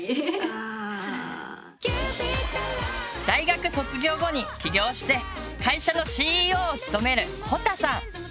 大学卒業後に起業して会社のＣＥＯを務めるほたさん。